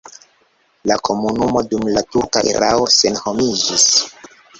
La komunumo dum la turka erao senhomiĝis.